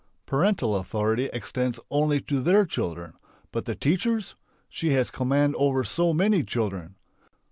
Parental authority extends only to their children. But the teacher's! She has command over so many children!